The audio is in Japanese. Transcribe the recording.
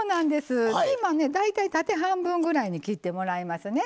ピーマン、大体縦半分ぐらいに切ってもらいますね。